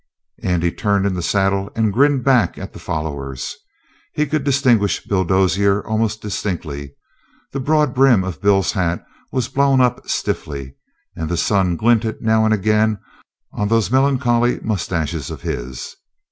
Andy turned in the saddle and grinned back at the followers. He could distinguish Bill Dozier most distinctly. The broad brim of Bill's hat was blown up stiffly. And the sun glinted now and again on those melancholy mustaches of his.